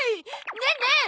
ねえねえ